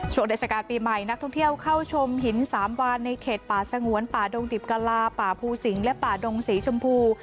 เทศกาลปีใหม่นักท่องเที่ยวเข้าชมหินสามวานในเขตป่าสงวนป่าดงดิบกะลาป่าภูสิงและป่าดงสีชมพู